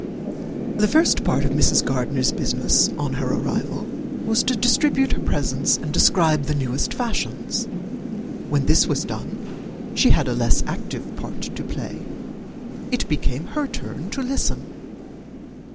The first part of Mrs. Gardiner's business, on her arrival, was to distribute her presents and describe the newest fashions. When this was done, she had a less active part to play. It became her turn to listen.